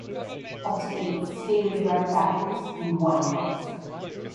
Up to eight state-of-the-art factories in one place.